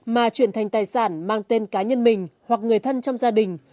mà chuyển thành tài sản mang tên cá nhân mình hoặc người thân trong gia đình